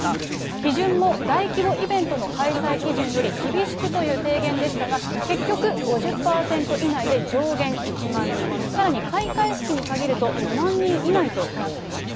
基準も、大規模イベントの開催基準より厳しくという提言でしたが、結局、５０％以内で上限１万人、さらに開会式に限ると、２万人以内となっています。